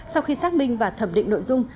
sau khi xác minh và thẩm định nội dung